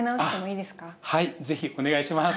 はい是非お願いします。